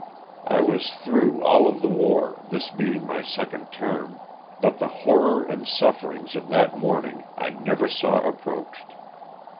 I was through all of the war, this being my second term, but the horror and sufferings of that morning I never saw approached.